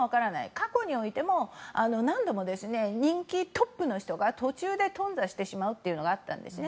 過去においても、何度も人気トップの人が途中で頓挫してしまうというのがあったんですね。